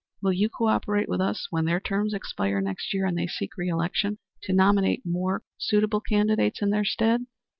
Will you co operate with us, when their terms expire next year and they seek re election, to nominate more suitable candidates in their stead?"